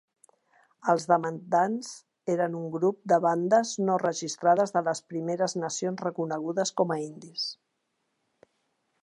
Els demandants eren un grup de bandes no registrades de les Primeres Nacions reconegudes com a indis.